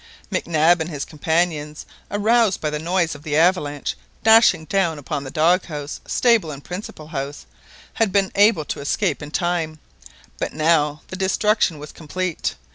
Mac Nab and his companions, aroused by the noise of the avalanche dashing down upon the dog house, stable, and principal house, had been able to escape in time, but now the work of destruction was complete.